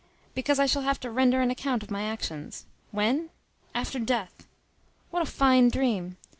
Because I shall have to render an account of my actions. When? After death. What a fine dream!